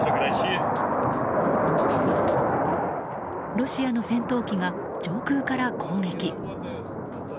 ロシアの戦闘機が上空から攻撃。